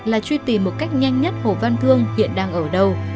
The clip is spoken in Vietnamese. là truy tìm một cách nhanh nhất hồ văn thương hiện đang ở đâu